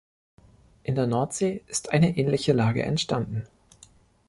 In der Nordsee ist eine ähnliche Lage entstanden.